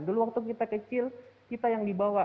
dulu waktu kita kecil kita yang dibawa